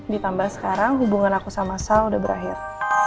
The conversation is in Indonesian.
ditambah sekarang hubungan aku sama sal sudah berakhir